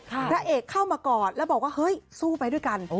พระเอกเข้ามากอดแล้วบอกว่าเฮ้ยสู้ไปด้วยกัน